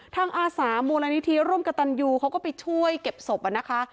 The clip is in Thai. ทางอาสามวลานิธีร่มกะตันยูเขาก็ไปช่วยเก็บศพอ่ะนะคะ